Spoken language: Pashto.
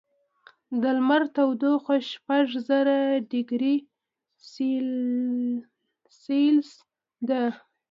د لمر تودوخه شپږ زره ډګري سیلسیس ده.